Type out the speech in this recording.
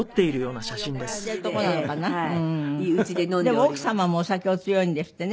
でも奥様もお酒お強いんですってね。